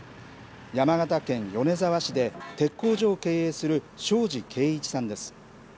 山形県米沢市で鉄工所を経営する庄司恵一さんです。